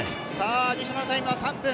アディショナルタイムは３分。